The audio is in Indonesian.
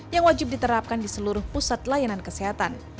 yang wajib diterapkan di seluruh pusat layanan kesehatan